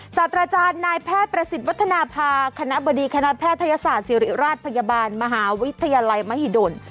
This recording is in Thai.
ศาสตราจารย์นายแพทย์ประสิทธิ์วัฒนภาคณะบดีคณะแพทยศาสตร์ศิริราชพยาบาลมหาวิทยาลัยมหิดล